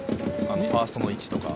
ファーストの位置とか。